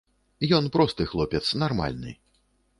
Ён просты хлопец, нармальны.